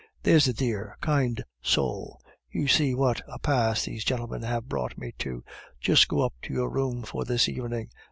There's a dear, kind soul. You see what a pass these gentlemen have brought me to; just go up to your room for this evening."